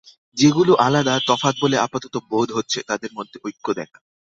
যেগুলো আলাদা, তফাত বলে আপাতত বোধ হচ্ছে, তাদের মধ্যে ঐক্য দেখা।